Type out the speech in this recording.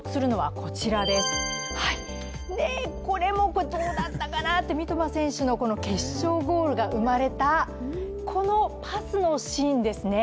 これもどうだったかなと、三笘選手の決勝ゴールが生まれたこのパスのシーンですね。